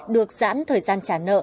được giãn thời gian trả nợ